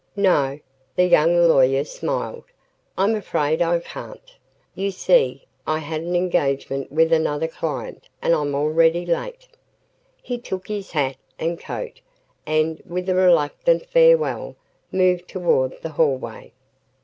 "No," the young lawyer smiled, "I'm afraid I can't. You see, I had an engagement with another client and I'm already late." He took his hat and coat and, with a reluctant farewell, moved toward the hallway.